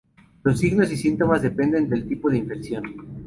Los signos y los síntomas dependen del tipo de infección.